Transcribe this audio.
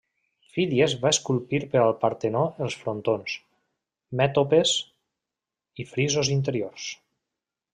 Fídies va esculpir per al Partenó els frontons, mètopes i frisos interiors.